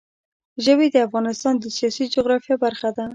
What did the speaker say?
ژبې د افغانستان د سیاسي جغرافیه برخه ده.